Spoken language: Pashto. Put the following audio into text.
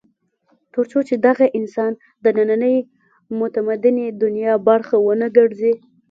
تر څو چې دغه انسان د نننۍ متمدنې دنیا برخه ونه ګرځي.